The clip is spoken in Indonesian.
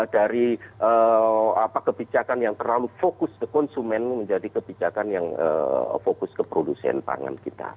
dari kebijakan yang terlalu fokus ke konsumen menjadi kebijakan yang fokus ke produksi pangan kita